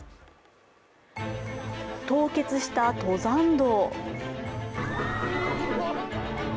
凍結した登山道。